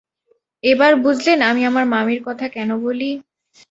এবার বুঝলেন আমি আমার মামীর কথা কেন বলি?